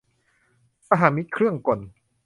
สหมิตรเครื่องกล